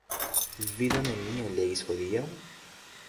Vi do nenion legis hodiaŭ?